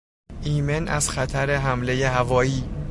ایمن از خطر حملهی هوایی